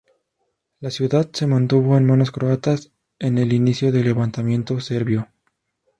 La ciudad se mantuvo en manos croatas en el inicio del levantamiento serbio.